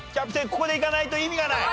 ここでいかないと意味がない。